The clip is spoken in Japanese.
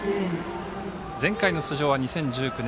前回の出場は２０１９年